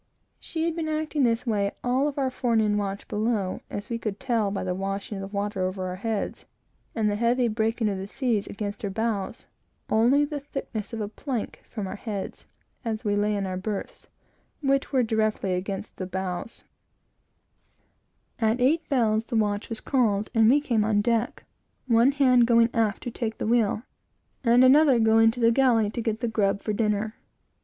She had been acting in this way all of our forenoon watch below; as we could tell by the washing of the water over our heads, and the heavy breaking of the seas against her bows, (with a sound as though she were striking against a rock,) only the thickness of the plank from our heads, as we lay in our berths, which are directly against the bows. At eight bells, the watch was called, and we came on deck, one hand going aft to take the wheel, and another going to the galley to get the grub for dinner.